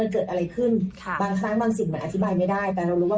ใครเลย